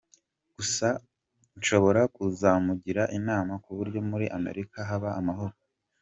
Gusa nshobora kuzamugira inama ku buryo muri Amerika haba amahoro.